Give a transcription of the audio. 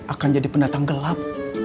akan jadi pendatang gelap